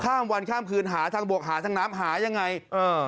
ข้ามวันข้ามคืนหาทางบวกหาทางน้ำหายังไงเออ